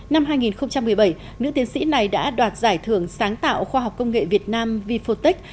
năm hai nghìn một mươi bảy nữ tiến sĩ này đã đoạt giải thưởng sáng tạo khoa học công nghệ việt nam vfotec